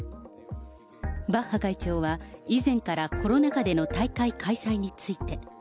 バッハ会長は、以前からコロナ禍での大会開催について。